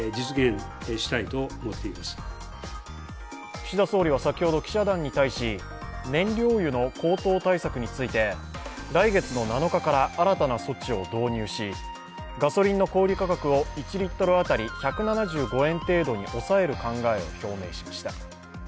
岸田総理は先ほど記者団に対し燃料油の高騰対策について来月７日から新たな措置を導入しガソリンの小売価格を１リットル当たり１７５円程度に抑える考えを表明しました。